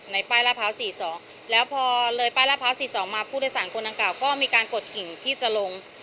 ในป้ายรหภาพสี่สองแล้วพอเลยป้ายรหภาพสี่สองมาผู้โดยสารคนอังกฤษก็มีการกดกิ่งที่จะลง